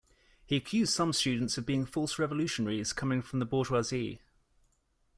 He accused some students of being "false revolutionaries" coming from the bourgeoisie.